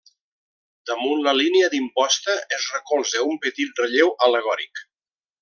Damunt la línia d'imposta es recolza un petit relleu al·legòric.